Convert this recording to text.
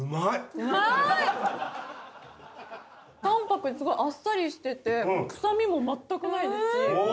淡泊であっさりしてて臭みもまったくないですし。